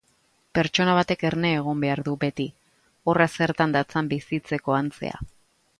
Pertsona batek erne egon behar du beti, horra zertan datzan bizitzeko antzea.